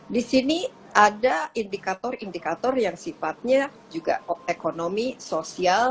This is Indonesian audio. disini ada indikator indikator yang sifatnya juga ekonomi sosial